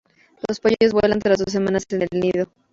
Los pollos vuelan tras dos semanas en el nido.